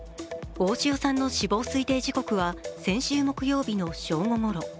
大塩衣与さんの死亡推定時刻は先週木曜日の正午ごろ。